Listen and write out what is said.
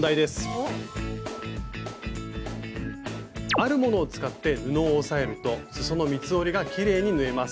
あるものを使って布を押さえるとすその三つ折りがきれいに縫えます。